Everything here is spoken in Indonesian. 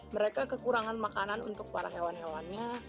mereka kekurangan makanan untuk para hewan hewannya